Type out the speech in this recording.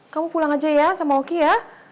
kamu pulang aja ya sama oki ya